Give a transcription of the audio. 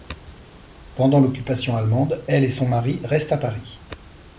Pendant l'occupation allemande, elle et son mari restent à Paris.